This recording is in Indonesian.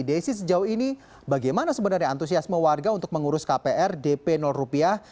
desi sejauh ini bagaimana sebenarnya antusiasme warga untuk mengurus kpr dp rupiah